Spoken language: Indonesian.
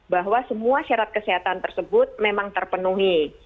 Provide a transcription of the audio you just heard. bahwa semua syarat kesehatan tersebut memang terpenuhi